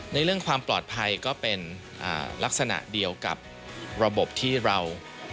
เรื่องความปลอดภัยก็เป็นลักษณะเดียวกับระบบที่เรา